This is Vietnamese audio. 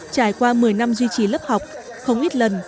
trải qua một mươi năm duy trì lớp học không ít lần